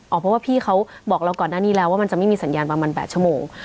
เพราะว่าพี่เขาบอกเราก่อนหน้านี้แล้วว่ามันจะไม่มีสัญญาณประมาณ๘ชั่วโมง